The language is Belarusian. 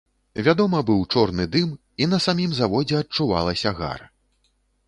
Вядома, быў чорны дым, і на самім заводзе адчувалася гар.